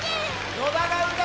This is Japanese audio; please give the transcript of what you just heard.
野田がうんだ